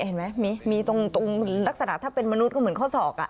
เห็นไหมมีตรงลักษณะถ้าเป็นมนุษย์ก็เหมือนข้อศอก